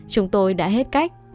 chúng tôi đã hết cách